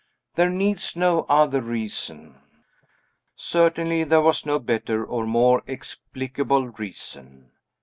There needs no other reason." Certainly, there was no better or more explicable reason.